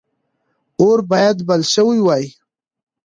اور باید بل شوی وای.